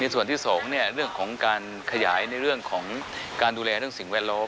ส่วนที่๒เรื่องของการขยายในเรื่องของการดูแลเรื่องสิ่งแวดล้อม